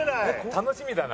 楽しみだな。